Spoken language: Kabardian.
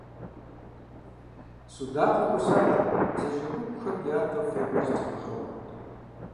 Судакъыр хуосакъ бдзэжьей хугухэм ятӀэ, фӀей гуэр тримыхьэным.